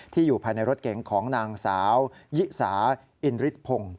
ที่อยู่ภายในรถเก๋งของนางสาวยิสาอินริภง